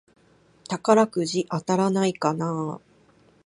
宝くじ当たらないかなぁ